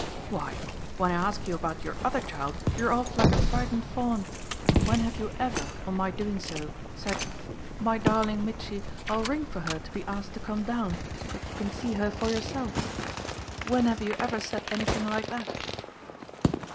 "Why, when I ask you about your other child you're off like a frightened fawn. When have you ever, on my doing so, said 'my darling Mitchy, I'll ring for her to be asked to come down so that you can see her for yourself' when have you ever said anything like that?"